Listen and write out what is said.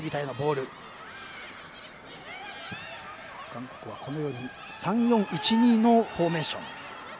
韓国は３−４−１−２のフォーメーション。